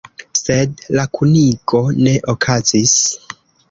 Sed la kunigo ne okazis.